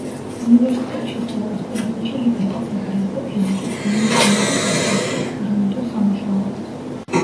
უნივერსიტეტში სწავლის პერიოდში იგი გატაცებული იყო ფიზიკით; გულმოდგინებით ასრულებდა ექსპერიმენტულ სამუშაოებს.